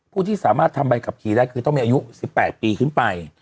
ผู้ที่สามารถทำใบขับขี่ได้คือต้องมีอายุ๑๘ปีขึ้นไป